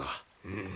うん。